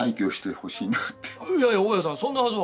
いやいや大家さんそんなはずは。